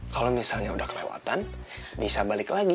kalau misalnya udah kelewatan bisa balik lagi